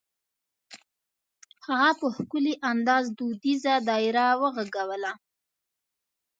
هغه په ښکلي انداز دودیزه دایره وغږوله.